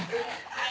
⁉あ